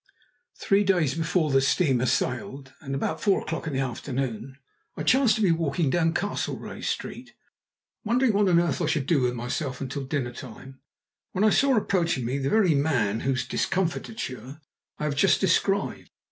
Three days before the steamer sailed, and about four o'clock in the afternoon, I chanced to be walking down Castlereagh Street, wondering what on earth I should do with myself until dinner time, when I saw approaching me the very man whose discomfiture I have just described.